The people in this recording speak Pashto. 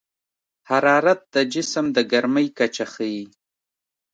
حرارت د جسم د ګرمۍ کچه ښيي.